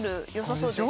そうです